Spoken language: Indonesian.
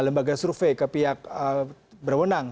lembaga survei ke pihak berwenang